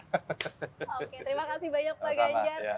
oke terima kasih banyak pak ganjar